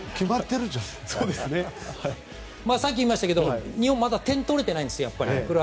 さっき言いましたけど日本はクロアチアから点を取れてないんですよ。